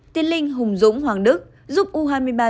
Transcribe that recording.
tiến linh hùng dũng hoàng đức giúp u hai mươi ba việt nam